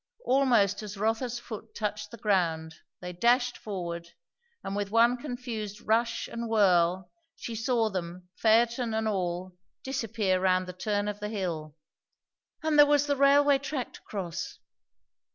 Almost as Rotha's foot touched the ground they dashed forward, and with one confused rush and whirl she saw them, phaeton and all, disappear round the turn of the hill. And there was the railway track to cross!